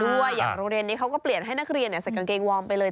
อย่างโรงเรียนนี้เขาก็เปลี่ยนให้นักเรียนใส่กางเกงวอร์มไปเลย